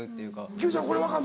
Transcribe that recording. Ｑちゃん